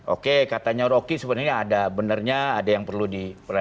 oke katanya rocky sebenarnya ada benarnya ada yang perlu diperhatikan